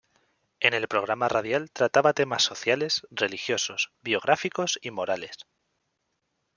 En el programa radial trataba temas sociales, religiosos, biográficos y morales.